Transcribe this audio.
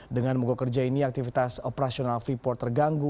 dengan mogok kerja ini aktivitas operasional freeport terganggu